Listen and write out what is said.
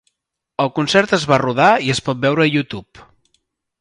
El concert es va rodar i es pot veure a YouTube.